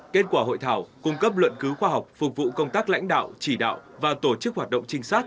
kết quả hội thảo cung cấp luận cứu khoa học phục vụ công tác lãnh đạo chỉ đạo và tổ chức hoạt động trinh sát